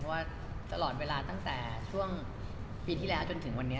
ว่าตลอดเวลาตั้งแต่ช่วงปีที่แล้วจนถึงวันนี้